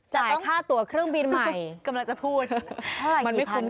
จ่ายค่าตัวเครื่องบินใหม่กำลังจะพูดมันไม่คุ้มกันค่ะ